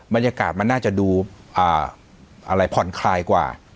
บรรยากาศมันน่าจะดูอะไรผ่อนคลายกว่า